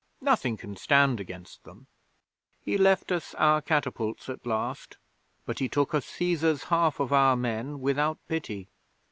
Nothing can stand against them. He left us our catapults at last, but he took a Cæsar's half of our men without pity.